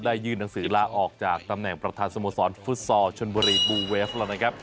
ยื่นหนังสือลาออกจากตำแหน่งประธานสโมสรฟุตซอลชนบุรีบูเวฟแล้วนะครับ